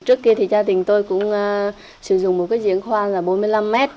trước kia thì gia đình tôi cũng sử dụng một cái diễn khoan là bốn mươi năm mét